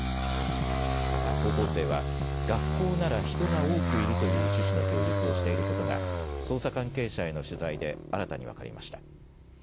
また高校生は、学校なら人が多くいるという趣旨の供述をしていることが、捜査関係者への取材で新たに分かりました。